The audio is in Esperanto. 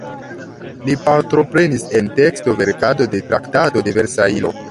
Li partoprenis en teksto-verkado de Traktato de Versajlo.